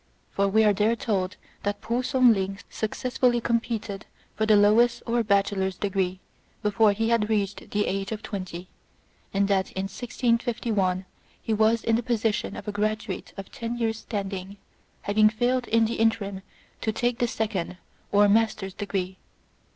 For we are there told that P'u Sung ling successfully competed for the lowest or bachelor's degree before he had reached the age of twenty ; and that in 1651 he was in the position of a graduate of ten years' standing, having failed in the interim to take the second, or master's, degree.